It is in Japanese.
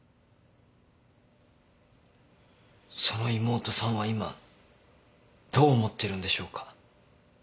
その妹さんは今どう思ってるんでしょうか。